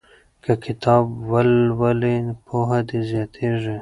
که کتاب ولولې پوهه دې زیاتیږي.